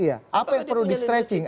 apa yang perlu di stretching